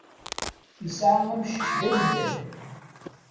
Nesɛa amcic d amellal.